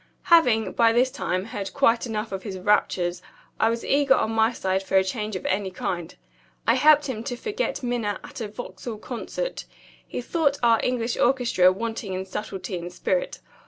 Having, by this time, heard quite enough of his raptures, I was eager on my side for a change of any kind. I helped him to forget Minna at a Vauxhall Concert. He thought our English orchestra wanting in subtlety and spirit.